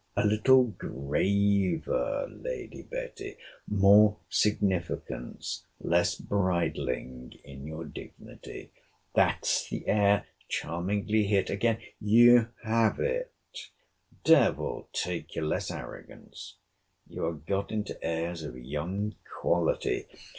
A little graver, Lady Betty.—More significance, less bridling in your dignity. That's the air! Charmingly hit——Again——You have it. Devil take you!—Less arrogance. You are got into airs of young quality.